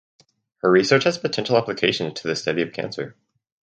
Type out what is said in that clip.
Her research has potential applications to the study of cancer.